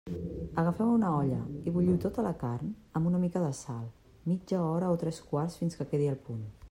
Agafeu una olla i bulliu tota la carn, amb una mica de sal, mitja hora o tres quarts fins que quedi al punt.